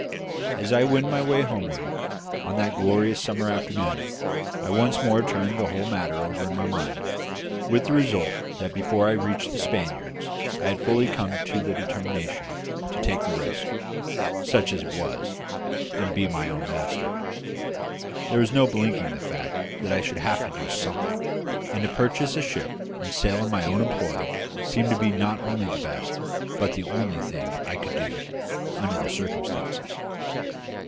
As I wended my way homeward, on that glorious summer afternoon, I once more turned the whole matter over in my mind, with the result that before I reached "The Spaniards" I had fully come to the determination to take the risk, such as it was, and be my own master. There was no blinking the fact that I should have to do something; and to purchase a ship and sail in my own employ seemed to be not only the best but the only thing I could do, under the circumstances.